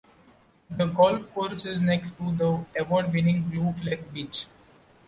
The golf course is next to the award-winning blue flag beach.